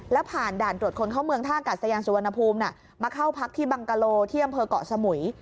แล้วผ่านด่านตรวจคนเข้าเมืองท่ากาศยานสุวรรณภูมิมาเข้าพักที่บังกะโลที่อำเภอกเกาะสมุย